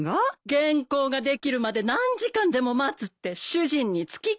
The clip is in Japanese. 原稿ができるまで何時間でも待つって主人に付きっきりで。